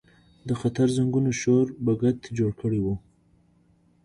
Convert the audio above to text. د خطر زنګونو شور بګت جوړ کړی و.